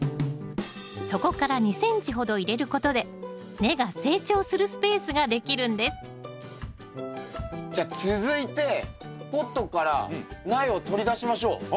底から２ｃｍほど入れることで根が成長するスペースができるんですじゃあ続いてポットから苗を取り出しましょう。